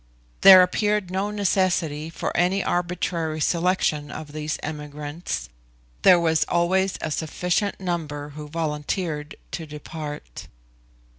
There appeared no necessity for any arbitrary selection of these emigrants; there was always a sufficient number who volunteered to depart.